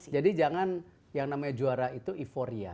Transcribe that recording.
jadi jangan yang namanya juara itu euforia